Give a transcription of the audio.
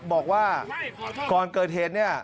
บอกว่าก่อนเกิดเหตุเนี่ย